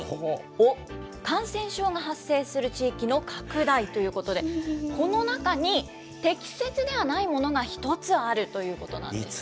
オ、感染症が発生する地域の拡大ということで、この中に、適切ではないものが１つあるということなんです。